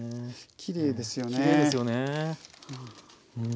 きれいですよね。